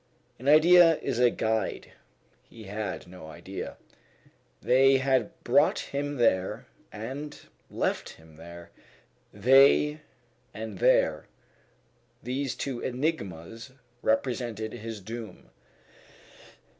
An idea is a guide; he had no idea. They had brought him there and left him there. They and there these two enigmas represented his doom.